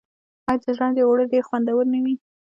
آیا د ژرندې اوړه ډیر خوندور نه وي؟